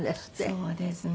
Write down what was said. そうですね。